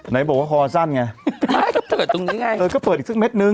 ไหนบอกว่าคอด์สั้นไงคอยเปิดตรงนี้ไงก็เปิดอีกสิบเม็ดหนึ่ง